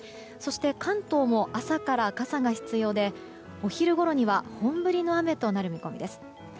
そして、関東も朝から傘が必要でお昼ごろには本降りの雨となる見込みです。